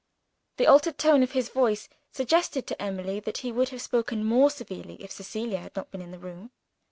The altered tone of his voice suggested to Emily that he would have spoken more severely, if Cecilia had not been in the room.